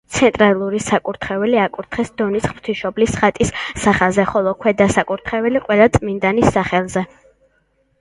ცენტრალური საკურთხეველი აკურთხეს დონის ღვთისმშობლის ხატის სახელზე, ხოლო ქვედა საკურთხეველი ყველა წმინდანის სახელზე.